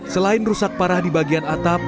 selain rusak parah di bagian atap